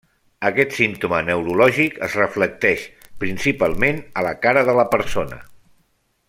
Aquest símptoma neurològic es reflecteix, principalment, a la cara de la persona.